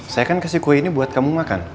saya kan kasih kue ini buat kamu makan